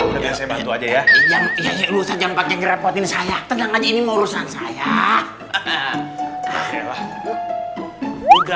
udah biasa bantu aja ya ya ya lu saja pakai kerepotin saya tenang aja ini urusan saya